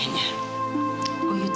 sendirinya unik juga aberat